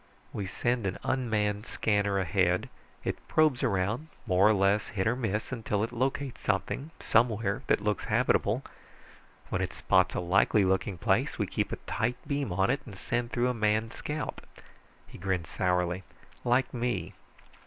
We send an unmanned scanner ahead. It probes around more or less hit or miss until it locates something, somewhere, that looks habitable. When it spots a likely looking place, we keep a tight beam on it and send through a manned scout." He grinned sourly. "Like me.